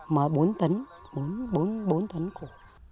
mở bốn tấn bốn tấn củ